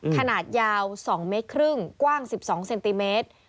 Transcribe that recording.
ขนาดยาว๒๕เมตรกว้าง๑๒เซนติเมตร